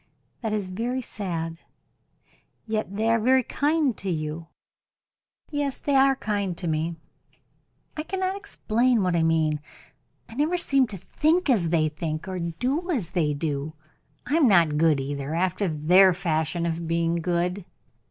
"That is very sad. Yet they are very kind to you." "Yes, they are kind to me. I cannot explain what I mean. I never seem to think as they think, or do as they do. I am not good either, after their fashion of being good."